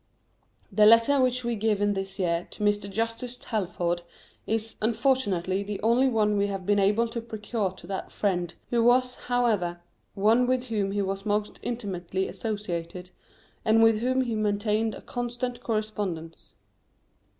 The letter which we give in this year to Mr. Justice Talfourd is, unfortunately, the only one we have been able to procure to that friend, who was, however, one with whom he was most intimately associated, and with whom he maintained a constant correspondence.